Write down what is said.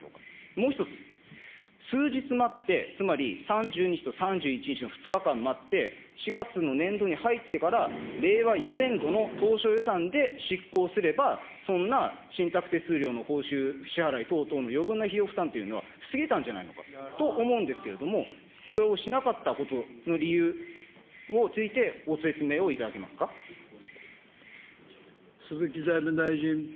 もう１つ、数日待って、つまり、３０日と３１日の２日間待って、４月の年度に入ってから、令和４年度の当初予算で執行すれば、そんな信託手数料の報酬支払い等々の余分な費用負担というのは防げたんじゃないかと思うんですけれども、それをしなかったことの理由について、ご説明をいただけま鈴木財務大臣。